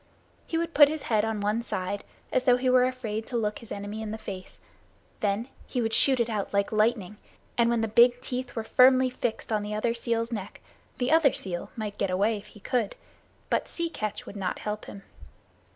He would put his head on one side, as though he were afraid to look his enemy in the face; then he would shoot it out like lightning, and when the big teeth were firmly fixed on the other seal's neck, the other seal might get away if he could, but Sea Catch would not help him.